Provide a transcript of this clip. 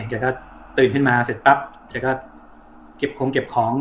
แกก็ตื่นขึ้นมาเสร็จปั๊บแกก็เก็บโครงเก็บของ